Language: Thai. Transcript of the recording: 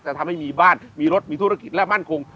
ทำให้มีบ้านมีรถมีธุรกิจและมั่นคง